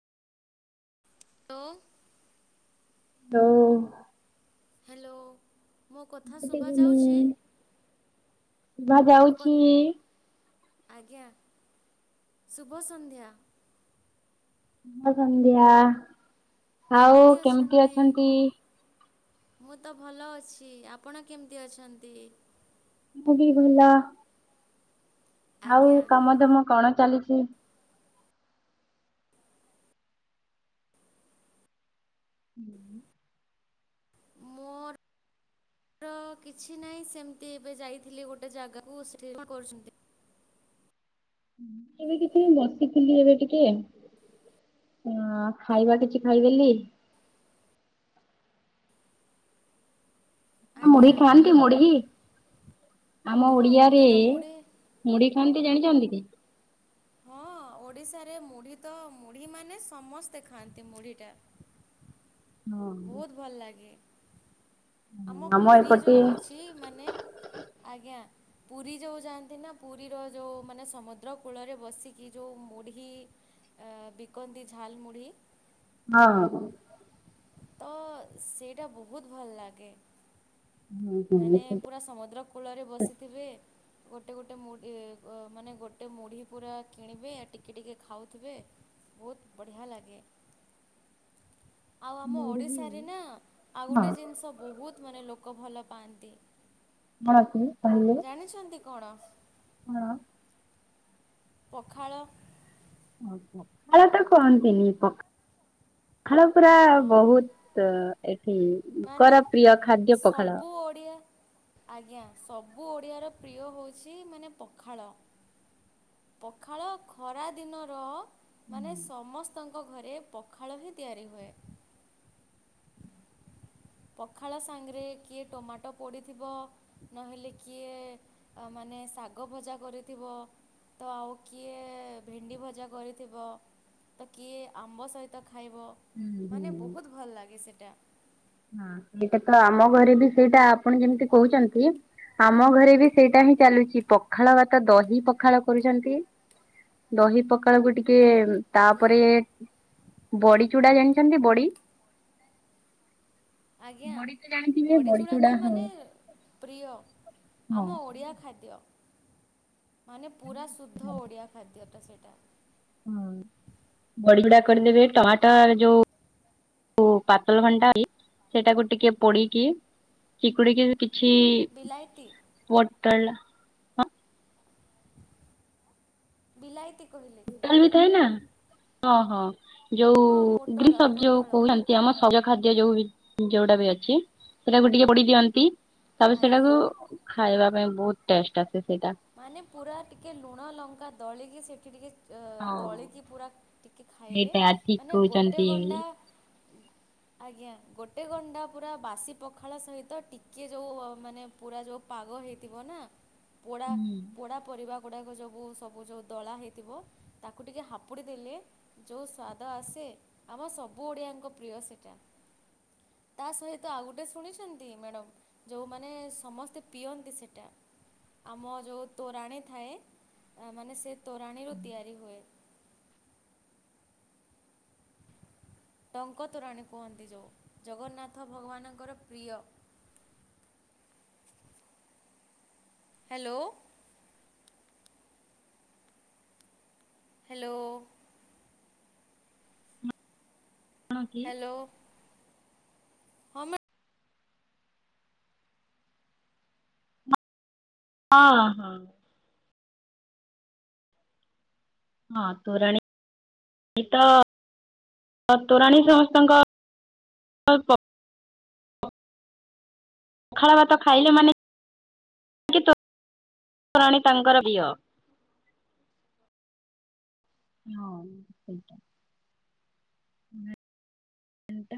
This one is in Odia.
ଓ ଲୋ ହାଲୋ। ମୋ କଥା ଗୁଡ୍ ଶୁଭା ଯାଉଚି ଇଭିନିଂ, ଶୁଭା ମୋ ଯାଉଛି କଥ ଶୁଭ ଆଜ୍ଞା ଶୁଭ ସନ୍ଧ୍ୟା। ଶୁଭ ସନ୍ଧ୍ୟା ଆଉ କେମିତି ଅଛନ୍ତି? ମୁଁ ତ ଭଲ ଅଛି ଆପଣ କେମିତି ଅଛନ୍ତି? ମୁଁ ବି ଭଲ। ଆଉ ଆଜ୍ଞା କାମଦାମ କଣ ଚାଲିଚି? ହୁଁ। ମୋର ର କିଛି ନାହିଁ ସେମିତି ଏବେ ଯାଇଥିଲି ଗୋଟେ ଜାଗାକୁ ସେଠି କଣ କରୁଚନ୍ତି? ଏବେ ଟିକେ ବସିଥିଲି ଏବେ ଟିକେ। ଆ ଖାଇବା କିଛି ଖାଇଦେଲି। ମୁଢି ଆଜ୍ଞା ଖାଆନ୍ତି ମୁଢି ଆମ ହଁ ଓଡିଆରେ ମୋତେ ତ ମୁଢ଼ି ମୁଢି ଖାଆନ୍ତି ଜାଣିଚନ୍ତି କି? ହଁ ଓଡ଼ିଶାରେ ମୁଢ଼ି ତ ମୁଢ଼ିମାନେ ସମସ୍ତେ ଖାଆନ୍ତି ମୁଢ଼ିଟା। ହଁ ବହୁତ ଭଲ ଲାଗେ ଆମ ପୁରୀ ଯୋଉ ଅଛି ମାନେ ଆଜ୍ଞା। ପୁରୀ ଯୋଉ ଯାଆନ୍ତି ନା ପୁରୀର ଯୋଉ ମାନେ ସମୁଦ୍ର କୂଳରେ ବସିକି ଯୋଉ ମୁଢ଼ି ଆ ବିକନ୍ତି ଝାଲମୁଢ଼ି ହଁ। ତ ସେଇଟା ବହୁତ ଭଲ ଲାଗେ ହୁଁ ମାନେ ହୁଁ। ପୁରା ସମୁଦ୍ର କୂଳରେ ବସିଥିବେ ଗୋଟେ ଗୋଟେ ମୁଢ଼ି ଇଏ ଅ ମାନେ ଗୋଟେ ମୁଢ଼ି ପୁରା କିଣିବେ ଟିକେ ଟିକେ ଖାଉଥିବେ। ବହୁତ ବଢ଼ିଆ ଲାଗେ। [unintelligible] ଆଉ ଆମ ଓଡ଼ିଶାରେ ନା ଆଉ ହଁ ଗୋଟେ ଜିନିଷ ବହୁତ ମାନେ ଲୋକ ଭଲ ପାଆନ୍ତି। କଣ ଅଛି ଜାଣିଛନ୍ତି କଣ? ନା। ପଖାଳ। ଭଲତ କୁହନ୍ତିନି ପ ପଖାଳ ପୁରା ହଁ ବହୁତ ଏଠି ମାନେ ଲୋକର ପ୍ରିୟ ଖାଦ୍ୟ ପଖାଳ। ସବୁ ଓଡ଼ିଆ ଆଜ୍ଞା ସବୁ ଓଡ଼ିଆର ପ୍ରିୟ ହେଉଚି ମାନେ ପଖାଳ। ପଖାଳ ଖରାଦିନର ହୁଁ ମାନେ ସମସ୍ତଙ୍କ ଘରେ ପଖାଳ ହିଁ ତିଆରି ହୁଏ। ପଖାଳ ସାଙ୍ଗରେ କିଏ ଟମାଟୋ ପୋଡ଼ିଥିବ ନହେଲେ କିଏ ଆ ମାନେ ଶାଗ ଭଜା କରିଥିବ। ତ ଆଉ କିଏ ଭେଣ୍ଡି ଭଜା କରିଥିବ। ତ କିଏ ଆମ୍ବ ସହିତ ଖାଇବ ହୁଁ ମାନେ ବହୁତ ଭଲ ଲାଗେ ସେଇଟା। ହଁ ସେଇଟା ତ ଆମ ଘରେ ବି ସେଇଟା ଆପଣ ଯେମିତି କହୁଚନ୍ତି ଆମ ଘରେ ବି ସେଇଟା ହିଁ ଚାଲୁଚି ପଖାଳ ଭାତ ଦହି ପଖାଳ କରୁଚନ୍ତି। ଦହି ପକାଳକୁ ଟିକେ ଆଜ୍ଞା। ତାପରେ ବଡି ଚୂଡା ଜାଣିଚନ୍ତି ବଡି? ଆଜ୍ଞା ବଡି ତ ଜାଣିଥିବେ ବଡ଼ି ବଡି ଚୂଡ଼ା ଚୁଡା ତ ହଁ ମାନେ ପ୍ରିୟ। ହଁ ଆମ ଓଡ଼ିଆ ଖାଦ୍ୟ। ମାନେ ପୁରା ଶୁଦ୍ଧ ଓଡିଆ ଖାଦ୍ୟଟା ସେଟା। ହୁଁ ବଡିଗୁଡା କରିଦେବେ ଟାଟା ର ଯୋଉ ଓ ପାତଲ ଘଣ୍ଟା ଇ ସେଟାକୁ ଟିକେ ପୋଡିକି ଚିକୁଡିକିରି କିଛି ବିଲାଇତି ପୋଟଳ ବିଲାଇତି କହିଲେ? କି ଟୋଟାଲବି ଥାଏନା ଓହ ଯୋଉ ହଁ ପୋଟଳ ଗ୍ରୀସବ ଜଉ ପୋଟଳ କୁହନ୍ତ ଆମ ସଜ ଖାଦ୍ୟ ଯୋଉ ଯୋଉଟା ବି ଅଛି ସେଟାକୁ ଟିକେ ପୋଡି ଦିଅନ୍ତି ତାପରେ ଆଜ୍ଞା ସେଇଟାକୁ ଖାଇବା ପାଇଁ ବହୁତ ଟେଷ୍ଟ ଆସେ ସେଇଟା। ମାନେ ପୁରା ଟିକେ ଲୁଣ ଲଙ୍କା ଦଳିକି ସେଠି ଟିକେ ହଉ। ଦଳିକି ପୁରା ଟିକେ ଖାଇଲେ ମାନେ ଗୋଟେ ଗଣ୍ଡା ହ ଆଜ୍ଞା ଗୋଟେ ଗଣ୍ଡା ପୁରା ବାସି ପଖାଳ ସହିତ ଟିକିଏ ଯଉ ମାନେ ପୁରା ଯଉ ପାଗ ହେଇଥିବ ନା ପୋଡ଼ା ହୁଁ ପୋଡ଼ା ପରିବା ଗୁଡ଼ାକ ସବୁ ସବୁ ଯଉ ଦଳା ହେଇଥିବ ତାକୁ ଟିକେ ହାପୁଡ଼ି ଦେଲେ ଯଉ ସ୍ଵାଦ ଆସେ ଆମ ସବୁ ଓଡ଼ିଆଙ୍କ ପ୍ରିୟ ସେଟା। ତା ସହିତ ଆଉ ଗୋଟେ ଶୁଣିଛନ୍ତି ମ୍ୟାଡ଼ମ୍? ଯଉମାନେ ସମସ୍ତେ ପିଅନ୍ତି ସେଟା ଆମ ଯଉ ତୋରାଣୀ ଥାଏ ମାନେ ସେ ତୋରାଣୀରୁ ତିଆରି ହୁଏ। ଟଙ୍କତୋରାଣୀ କୁହନ୍ତି ଯଉଁ ଜଗନ୍ନାଥ ଭଗବାନଙ୍କର ପ୍ରିୟ। ହ୍ୟାଲୋ। ହ୍ୟାଲୋ। ହଁ କି। ହ୍ୟାଲୋ ହଁ ମ୍ୟା ଅ ହ। ହଁ ତୋରାଣି ପୀଇକି ତ ତ ତୋରାଣୀ ସମସ୍ତଙ୍କ ପ୍ର ପଖାଳ ଭାତ ଖାଇଲେ ମାନେକି ତୋରାଣୀ ତାଙ୍କର ପ୍ରିୟ। ହଁ ସେଇଟା। ହଁ ତିନଟା।